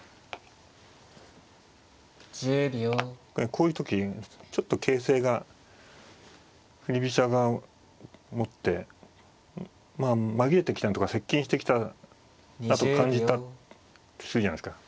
こういう時ちょっと形勢が振り飛車側もって紛れてきたりとか接近してきただと感じたとするじゃないですか。